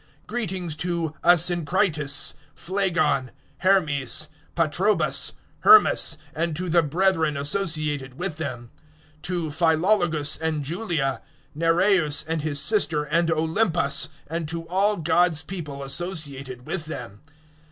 016:014 Greetings to Asyncritus, Phlegon, Hermes, Patrobas, Hermas, and to the brethren associated with them; 016:015 to Philologus and Julia, Nereus and his sister and Olympas, and to all God's people associated with them.